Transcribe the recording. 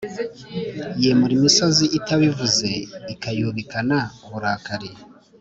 Yimura imisozi itabivuze Ikayubikana uburakari